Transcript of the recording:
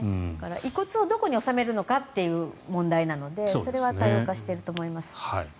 遺骨をどこに納めるのかっていう問題なのでそれは多様化していると思います。